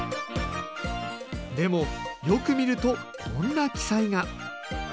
でもよく見るとこんな記載が。